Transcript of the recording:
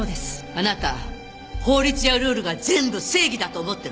あなた法律やルールが全部正義だと思ってるの？